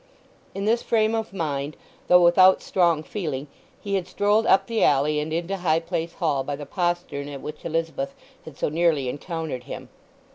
In this frame of mind, though without strong feeling, he had strolled up the alley and into High Place Hall by the postern at which Elizabeth had so nearly encountered him.